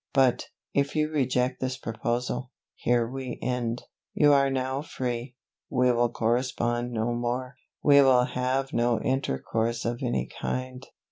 But, if you reject this proposal, here we end. You are now free. We will correspond no more. We will have no intercourse of any kind.